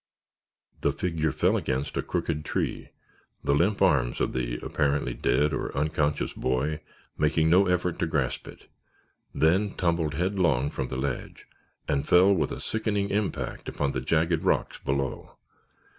The figure fell against a crooked tree, the limp arms of the apparently dead or unconscious boy making no effort to grasp it, then tumbled headlong from the ledge and fell with a sickening impact upon the jagged rocks below.